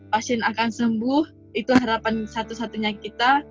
pasien akan sembuh itu harapan satu satunya kita